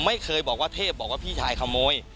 ไม่เคยบอกว่าเทพบอกว่าพี่ชายขโมย